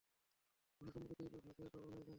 ঘোড়ার সম্মুখের দুই পা ভাঁজ হয়ে ডবল হয়ে যায়।